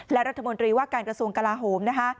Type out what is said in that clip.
และรัฐมนตรีว่าการกระทรวงกาลาฮม